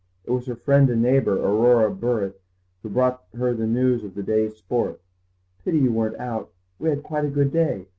It was her friend and neighbour, Aurora Burret, who brought her news of the day's sport. "Pity you weren't out; we had quite a good day.